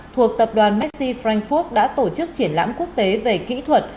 thuộc tập đoàn maxxy frankfurt đã tổ chức triển lãm quốc tế về kỹ thuật